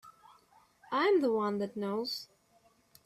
I'm the one that knows.